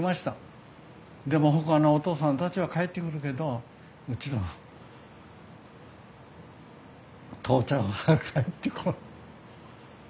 でもほかのお父さんたちは帰ってくるけどうちのは父ちゃんは帰ってこん。